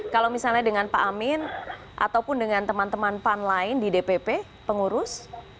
kalau misalnya dengan pak amin ataupun dengan teman teman pan lain di dpp pengurus